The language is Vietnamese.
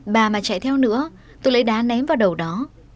bà mà chạy theo nữa tôi lấy đá ném vào đầu đó